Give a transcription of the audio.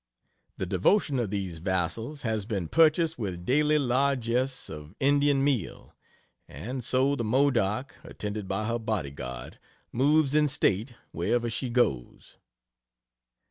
The devotion of these vassals has been purchased with daily largess of Indian meal, and so the Modoc, attended by her bodyguard, moves in state wherever she goes.